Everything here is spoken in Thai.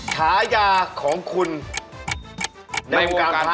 ถาอย่าของคุณในโงงการปลา